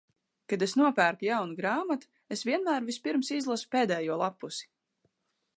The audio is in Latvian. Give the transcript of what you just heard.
Kad es nopērku jaunu grāmatu, es vienmēr vispirms izlasu pēdējo lappusi.